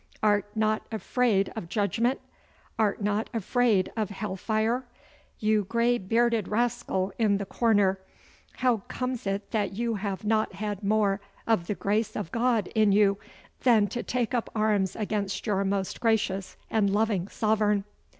Art not afraid of judgment? Art not afraid of hell fire? You grey bearded rascal in the corner, how comes it that you have not had more of the grace of God in you than to take up arms against your most gracious and loving sovereign?